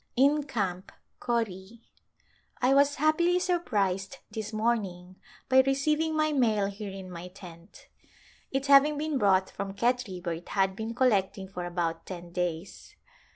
In Camp^ Corie. I was happily surprised this morning by receiving my mail here in my tent, it having been brought from Khetri where it had been collecting for about ten days.